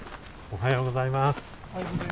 おはようございます。